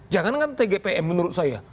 jangan kan tgp menurut saya